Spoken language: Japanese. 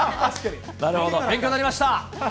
なるほど、勉強になりました。